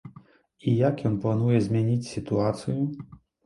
І як ён плануе змяніць сітуацыю?